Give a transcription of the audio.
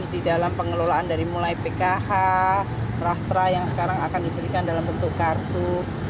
di dalam pengelolaan dari mulai pkh rastra yang sekarang akan diberikan dalam bentuk kartu